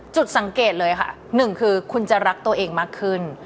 จุดสังเกตเลยค่ะหนึ่งคือคุณจะรักตัวเองมากขึ้น